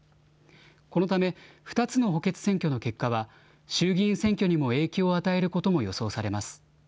このため、２つの補欠選挙の結果は衆議院選挙にも影響を与えることも予想されます。